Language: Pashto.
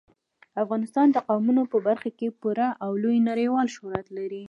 افغانستان د قومونه په برخه کې پوره او لوی نړیوال شهرت لري.